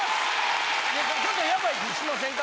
ちょっとヤバい気しませんか？